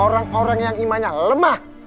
orang orang yang imannya lemah